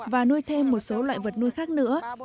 và nuôi thêm một số loại vật nuôi khác nữa